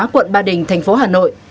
quận ba đình tp hà nội